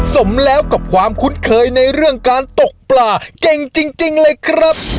สมแล้วกับความคุ้นเคยในเรื่องการตกปลาเก่งจริงเลยครับ